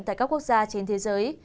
tại các quốc gia trên thế giới